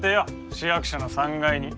市役所の３階に。